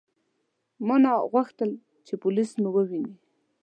ما نه غوښتل چې پولیس مو وویني.